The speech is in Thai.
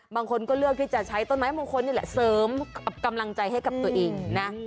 บางคนก็เลือกที่จะใช้ต้นไม้มงคลนี่แหละเสริมกำลังใจให้กับตัวเองนะ